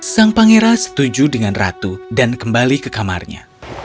sang pangeran setuju dengan ratu dan kembali ke kamarnya